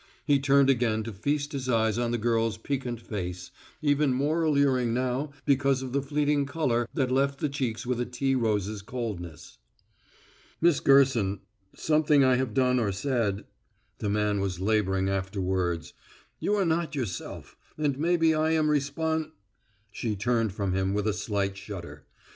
He turned again to feast his eyes on the girl's piquant face, even more alluring now because of the fleeting color that left the cheeks with a tea rose's coldness. "Miss Gerson, something I have done or said" the man was laboring after words "you are not yourself, and maybe I am respon " She turned from him with a slight shudder.